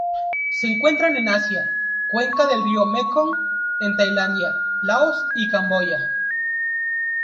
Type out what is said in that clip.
Se encuentran en Asia: cuenca del río Mekong en Tailandia, Laos y Camboya.